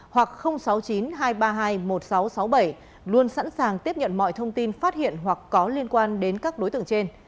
hoặc sáu mươi chín hai trăm ba mươi hai một nghìn sáu trăm sáu mươi bảy luôn sẵn sàng tiếp nhận mọi thông tin phát hiện hoặc có liên quan đến các đối tượng trên